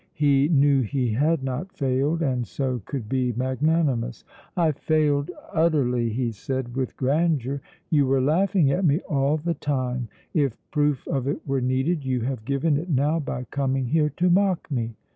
He knew he had not failed, and so could be magnanimous. "I failed utterly," he said, with grandeur. "You were laughing at me all the time; if proof of it were needed, you have given it now by coming here to mock me.